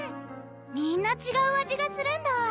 みんなちがう味がするんだ